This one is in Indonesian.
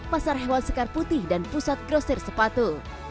pasar hewan sekar putih dan pusat grosir sepatu